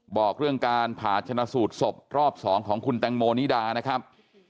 บอกเรื่องการผ่าชนะสูตรศพรอบ๒ของคุณแตงโมนิดานะครับ